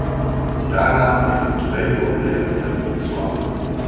Daaraan liggen twee problemen ten grondslag.